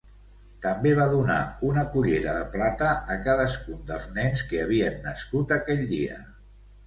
També va donar una cullera de plata a cadascun dels nens que havien nascut aquell dia.